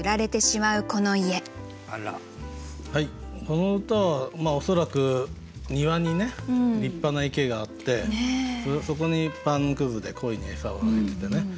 この歌は恐らく庭にね立派な池があってそこにパンくずで鯉に餌をあげててね。